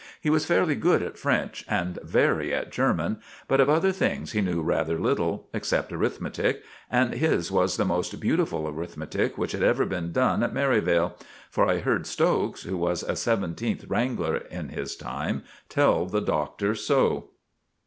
He was fairly good at French, and very at German; but of other things he knew rather little, except arithmetic, and his was the most beautiful arithmetic which had ever been done at Merivale; for I heard Stokes, who was a seventeenth wrangler in his time, tell the Doctor so.